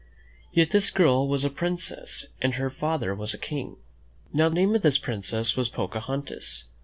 Yet this little girl was a princess and her father was a king. Now, the name of this princess was Pocahon tas.